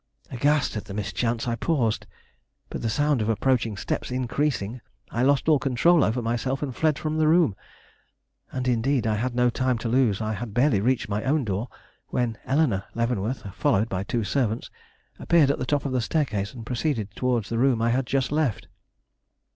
Aghast at the mischance, I paused, but the sound of approaching steps increasing, I lost all control over myself and fled from the room. And indeed I had no time to lose. I had barely reached my own door when Eleanore Leavenworth, followed by two servants, appeared at the top of the staircase and proceeded towards the room I had just left.